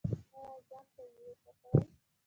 ایا ځان قوي احساسوئ؟